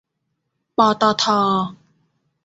ปตท